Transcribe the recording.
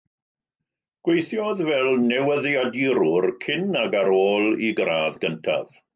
Gweithiodd fel newyddiadurwr cyn ac ar ôl ei gradd gyntaf.